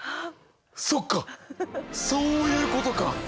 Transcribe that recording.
そっかそういうことか。